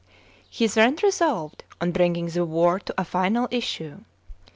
He then resolved on bringing the war to a final issue.